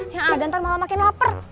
yang ada ntar malah makin lapar